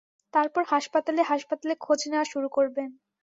তারপর হাসপাতালে-হাসপাতালে খোঁজ নেয়া শুরু করবেন।